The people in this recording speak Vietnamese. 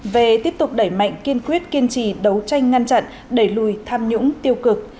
về tiếp tục đẩy mạnh kiên quyết kiên trì đấu tranh ngăn chặn đẩy lùi tham nhũng tiêu cực